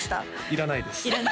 いらないです